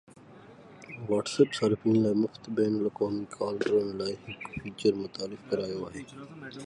WhatsApp صارفين لاءِ مفت بين الاقوامي ڪال ڪرڻ لاءِ هڪ فيچر متعارف ڪرايو آهي